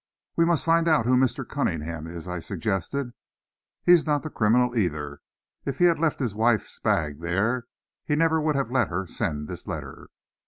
"We must find out who Mr. Cunningham is," I suggested. "He's not the criminal, either. If he had left his wife's bag there, he never would have let her send this letter."